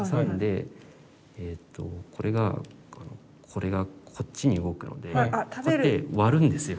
これがこっちに動くのでこうやって割るんですよ。